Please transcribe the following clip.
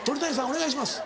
お願いします。